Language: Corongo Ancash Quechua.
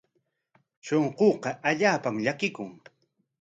Shunquuqa allaapam llakikun.